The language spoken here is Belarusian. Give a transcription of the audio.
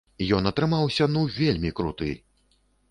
Ён атрымаўся, ну, вельмі круты!